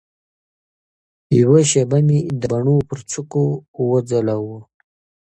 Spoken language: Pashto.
یوه شېبه مي د باڼو پر څوکه وځلوه